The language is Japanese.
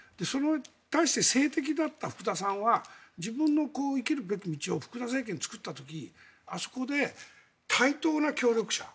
対して政敵だった福田さんは自分の生きる道を福田さんが作った時にあそこで対等な協力者。